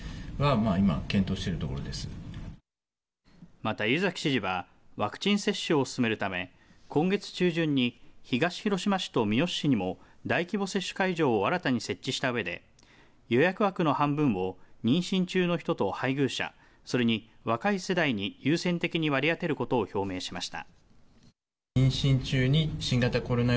また、湯崎知事はワクチン接種を進めるため今月中旬に東広島市と三次市にも大規模接種会場を新たに設置したうえで予約枠の半分を妊娠中の人と配偶者それに若い世代に優先的に割り当てることを表明しました。